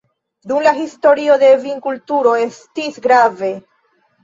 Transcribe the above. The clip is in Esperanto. Dum la historio la vinkulturo estis grave.